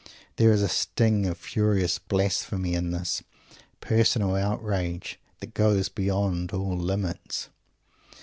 There is a sting of furious blasphemy in this; personal outrage that goes beyond all limits.